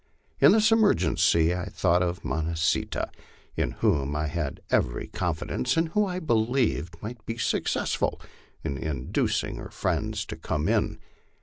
In this emergency I thought of Mo nah see tah, in whom I had every con fidence, and who I believed might be successful in inducing her friends to come in.